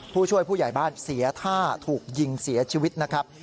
ผู้ช่วยผู้ใหญ่บ้านเสียท่าถูกยิงเสียชีวิตนะครับ